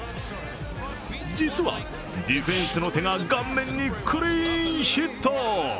実は、ディフェンスの手が顔面にクリーンヒット。